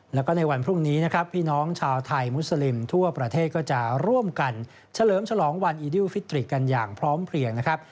แล้วก็ในวันพรุ่งนี้นะครับพี่น้องชาวไทยมุสลิมทั่วประเทศก็จะร่วมกันเฉลิมฉลองวันอีดิวฟิตริกกันอย่างพร้อมเพลียงนะครับ